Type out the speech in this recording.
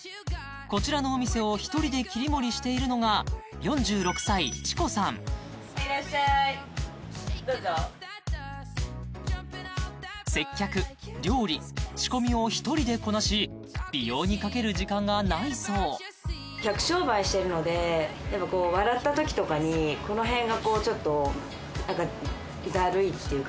こちらのお店を１人で切り盛りしているのがいらっしゃいどうぞ接客料理仕込みを１人でこなし美容にかける時間がないそう客商売してるのでやっぱこう笑った時とかにこの辺がこうちょっと何かだるいっていうか